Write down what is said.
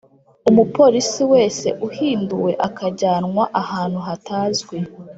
Umupolisi wese uhinduwe akajyanwa ahantu hatazwi